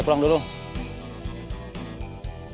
sekarang kalian coba